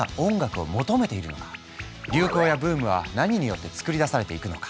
流行やブームは何によって作り出されていくのか？